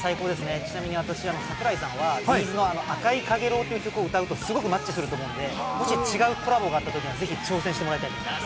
ちなみに桜井さんはＢ’ｚの『赤い陽炎』という曲を歌うと、すごくマッチすると思うので、違うコラボがあったらぜひ挑戦してほしいと思います。